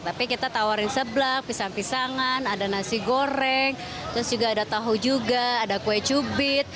tapi kita tawarin seblak pisang pisangan ada nasi goreng terus juga ada tahu juga ada kue cubit